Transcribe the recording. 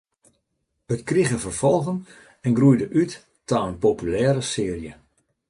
It krige ferfolgen en groeide út ta in populêre searje.